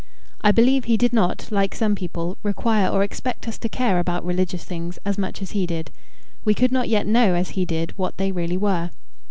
I believe he did not, like some people, require or expect us to care about religious things as much as he did: we could not yet know as he did what they really were.